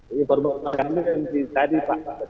ini permohonan ini ini tadi pak